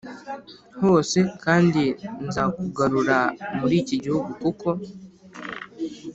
Hose kandi nzakugarura muri iki gihugu kuko